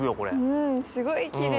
うんすごいきれい。